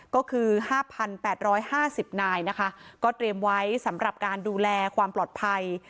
ก็คือ๕๘๕๐นายนะคะก็เตรียมไว้สำหรับการดูแลความปลอดภัย